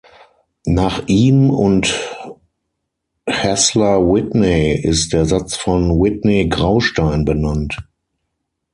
Nach ihm und Hassler Whitney ist der Satz von Whitney-Graustein benannt.